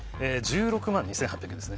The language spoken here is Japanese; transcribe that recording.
１６万２８００円です。